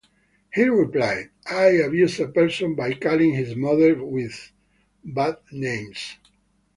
He replied, I abused a person by calling his mother with bad names.